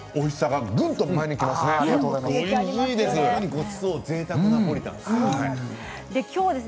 本当にごちそうぜいたくナポリタンです。